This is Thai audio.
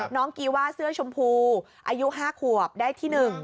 กีว่าเสื้อชมพูอายุ๕ขวบได้ที่๑